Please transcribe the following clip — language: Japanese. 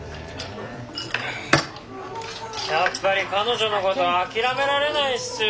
やっぱり彼女のこと諦められないっすよぉ。